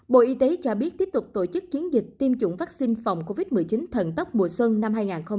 bộ y tế cho biết tiếp tục tổ chức chiến dịch tiêm chủng vaccine phòng covid một mươi chín thần tốc mùa xuân năm hai nghìn hai mươi